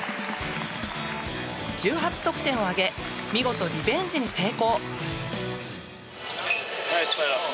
１８得点を挙げ見事リベンジに成功。